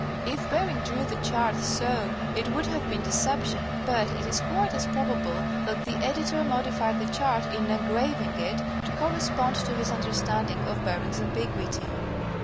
If Bering drew the chart so, it would have been deception, but it is quite as probable that the editor modified the chart in engraving it, to correspond to his understanding of Bering's ambiguity.